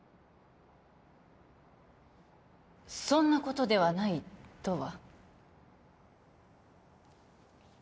「そんなことではない」とは？